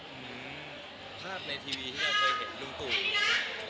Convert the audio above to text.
อืมภาพในทีวีที่เราเคยเห็นลุงตู่